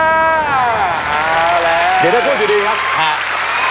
เอาละเดี๋ยวจะพูดอย่างเดียวครับ